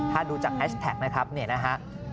ถ้าดูจากแฮชแท็กนะครับเนี่ยนะฮะ